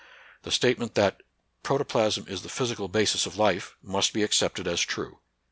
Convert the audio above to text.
The statement that " proto plasm is the physical basis of life " must be accepted as true.